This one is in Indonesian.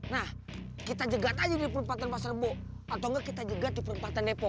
nah kita jegat aja di perempatan pasar rebo atau enggak kita jegat di perempatan depok